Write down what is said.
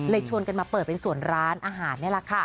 ชวนกันมาเปิดเป็นส่วนร้านอาหารนี่แหละค่ะ